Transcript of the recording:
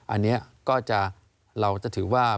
อันนี้ก็จะเราจะถือว่า